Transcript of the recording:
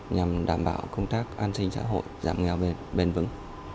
nhằm đảm bảo công tác an sinh xã hội giảm nghèo bền vững